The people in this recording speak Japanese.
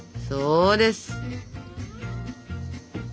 そうです！